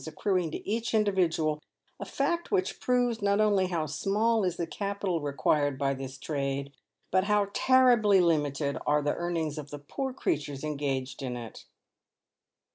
accruing to each individual — a fact which proves, not only how small is the capital required by this trade, but how terribly limited are the earnings of the poor creatures engaged in it.